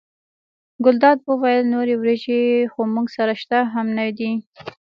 ګلداد وویل نورې وریجې خو موږ سره شته هم نه دي.